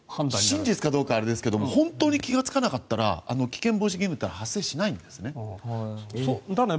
真実かどうかはあれですが本当に気がつかなかったら危険防止義務というのは発生しないんですね。